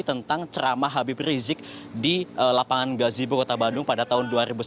tentang ceramah habib rizik di lapangan gazibo kota bandung pada tahun dua ribu sebelas